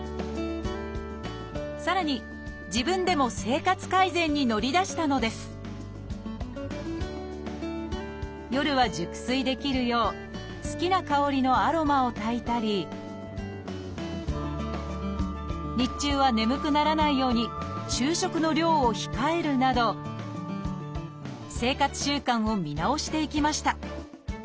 さらに自分でも生活改善に乗り出したのです夜は熟睡できるよう好きな香りのアロマをたいたり日中は眠くならないように昼食の量を控えるなど生活習慣を見直していきました。